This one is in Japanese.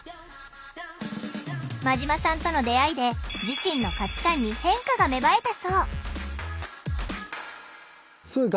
馬島さんとの出会いで自身の価値観に変化が芽生えたそう。